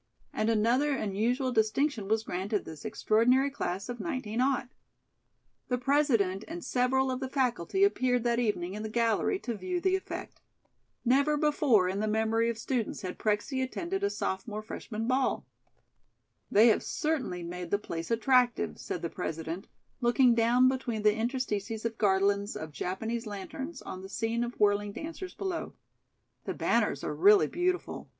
And another unusual distinction was granted this extraordinary class of 19 . The President and several of the faculty appeared that evening in the gallery to view the effect. Never before in the memory of students had Prexy attended a sophomore freshman ball. "They have certainly made the place attractive," said the President, looking down between the interstices of garlands of Japanese lanterns on the scene of whirling dancers below. "The banners are really beautiful.